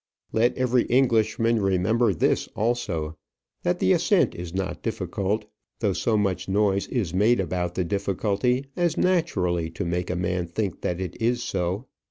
Let every Englishman remember this also, that the ascent is not difficult, though so much noise is made about the difficulty as naturally to make a man think that it is so.